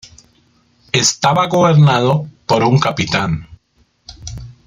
Estaba gobernado por un "capitán".